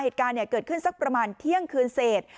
เหตุการณ์เกิดขึ้นสักประมาณเที่ยงคืนเศษ